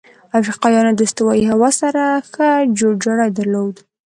افریقایان د استوایي هوا سره ښه جوړجاړی درلود.